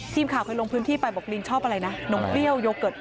ทีมข่าวเคยลงพื้นที่ไปบอกลิงชอบอะไรนะนมเปรี้ยวโยเกิร์ต